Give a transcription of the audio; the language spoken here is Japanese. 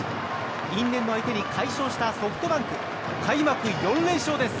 因縁の相手に快勝したソフトバンク。開幕４連勝です。